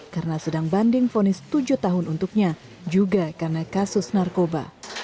karena sedang banding fonis tujuh tahun untuknya juga karena kasus narkoba